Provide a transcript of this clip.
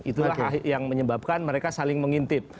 itulah yang menyebabkan mereka saling mengintip